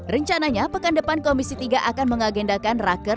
rencananya pekan depan komisi tiga akan mengagendakan raker